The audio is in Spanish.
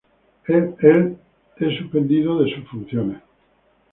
Él es suspendido de sus funciones.